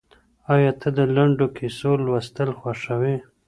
ایا ته د لنډو کیسو لوستل خوښوې؟